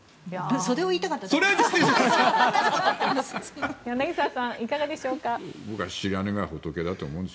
それを言いたかったんです。